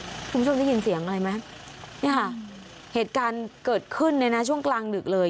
คุณผู้ชมได้ยินเสียงอะไรไหมเนี่ยค่ะเหตุการณ์เกิดขึ้นเนี่ยนะช่วงกลางดึกเลย